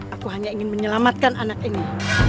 aku hanya ingin menyelamatkan anak ini